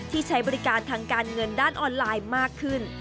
ใช้บริการทางการเงินด้านออนไลน์มากขึ้น